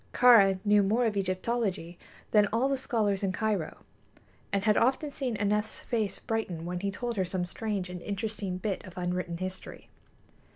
Kāra knew more of Egyptology than all the scholars in Cairo, and had often seen Aneth's face brighten when he told her some strange and interesting bit of unwritten history.